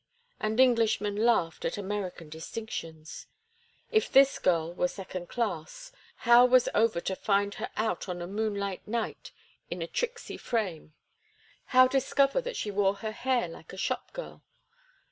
And Englishmen laughed at American distinctions. If this girl were second class, how was Over to find her out on a moonlight night in a tricksy frame, how discover that she wore her hair like a shop girl?